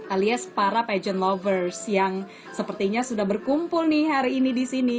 alias para pageant lovers yang sepertinya sudah berkumpul nih hari ini disini